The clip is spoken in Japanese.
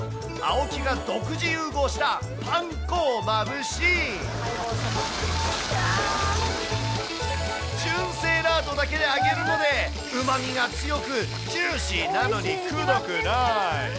柔らかい肉質が特徴の茨城産ぶな豚に、檍が独自融合したパン粉をまぶし、純正ラードだけで揚げるため、うまみが強くジューシーなのにくどくない。